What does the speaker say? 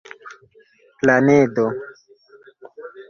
planedo